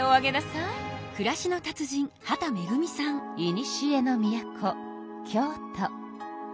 いにしえの都京都。